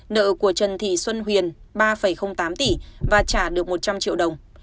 nợ của trần thị xuân huyền ba tám tỷ và trả được một trăm linh triệu đồng